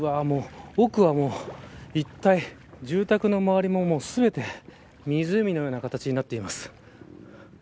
奥はもう一帯住宅の周りも全て湖のような形になっています。